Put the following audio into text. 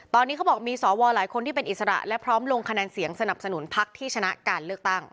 ตอนนี้เขาบอกมีสวหลายคนที่เป็นอิสระและพร้อมลงคะแนนเสียงสนับสนุนพักที่ชนะการเลือกตั้ง